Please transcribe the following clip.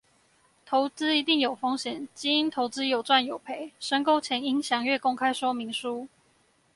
投資一定有風險，基金投資有賺有賠，申購前應詳閱公開說明書。